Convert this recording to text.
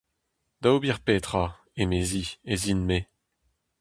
Da ober petra, emezi, ez in-me ?